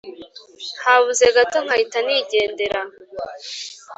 Habuze gato nkahita nigendera